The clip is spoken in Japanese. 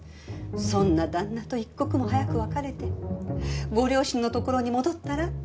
そんな旦那と一刻も早く別れてご両親のところに戻ったら？